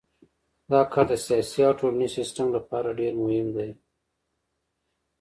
دا کار د سیاسي او ټولنیز سیستم لپاره ډیر مهم دی.